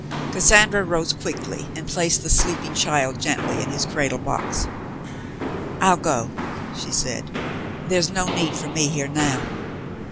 Cassandra rose quickly and placed the sleeping child gently in his cradle box. "I'll go," she said. "There's no need for me here now.